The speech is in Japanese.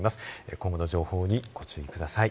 今後の情報にご注意ください。